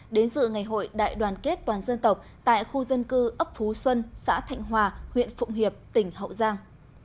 đến dự ngày hội đại đoàn kết toàn dân tộc tại khu dân cư ấp phú xuân xã thạnh hòa huyện phụng hiệp tỉnh hậu giang